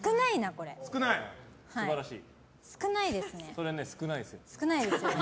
それ少ないですよ。